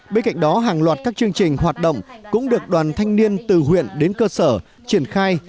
bên cạnh đó hàng loạt các chương trình hoạt động cũng được đoàn thanh niên từ huyện đến cơ sở triển khai